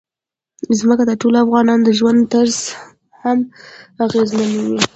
ځمکه د ټولو افغانانو د ژوند طرز هم اغېزمنوي.